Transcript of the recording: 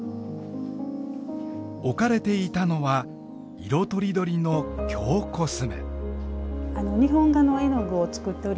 置かれていたのは色とりどりの京コスメ。